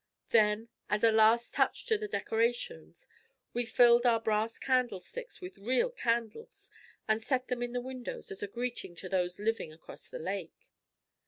Then, as a last touch to the decorations, we filled our brass candle sticks with real candles and set them in the windows as a greeting to those living across the lake.